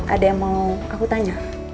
ada yang mau aku tanya